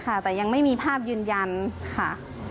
ค่ะแต่ยังไม่มีภาพยืนยันค่ะ